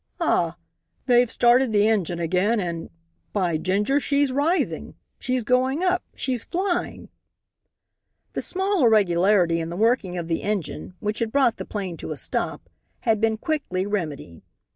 Ah! They've started the engine again and by ginger, she's rising! She's going up! She's flying!" The small irregularity in the working of the engine, which had brought the plane to a stop, had been quickly remedied.